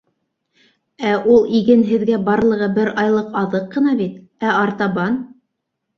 Ә ул иген һеҙгә барлығы бер айлыҡ аҙыҡ ҡына бит, ә артабан?